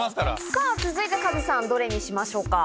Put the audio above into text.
さぁ続いてカズさんどれにしましょうか。